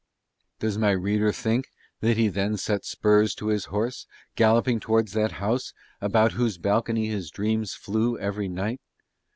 Does my reader think that he then set spurs to his horse, galloping towards that house about whose balcony his dreams flew every night?